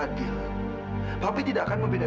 kamila tenang kamila